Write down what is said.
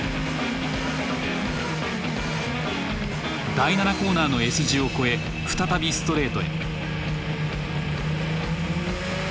第７コーナーのＳ字を越え再びストレートへ。